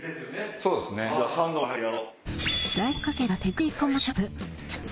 そうですか？